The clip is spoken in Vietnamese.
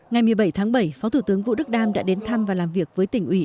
ngày một mươi bảy tháng bảy phó thủ tướng vũ đức đam đã đến thăm và làm việc với tỉnh ủy